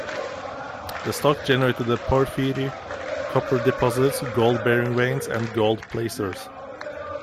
The stock generated the porphyry copper deposits, gold-bearing veins, and gold placers.